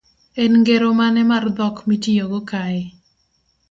En ngero mane mar dhok mitiyogo kae?